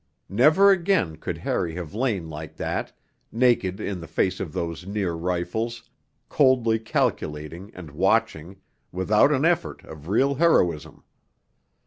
Never again could Harry have lain like that, naked in the face of those near rifles, coldly calculating and watching, without an effort of real heroism.